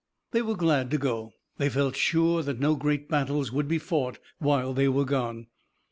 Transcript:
They were glad to go. They felt sure that no great battles would be fought while they were gone.